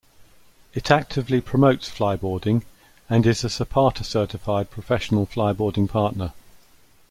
It actively promotes FlyBoarding and is a Zapata certified Professional FlyBoarding Partner.